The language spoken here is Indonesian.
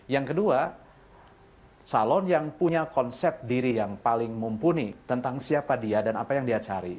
yang kedua calon yang punya konsep diri yang paling mumpuni tentang siapa dia dan apa yang dia cari